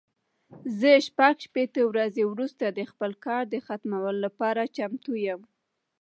زه شپږ شپېته ورځې وروسته د خپل کار د ختمولو لپاره چمتو یم.